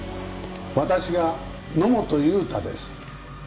私が野本雄太です。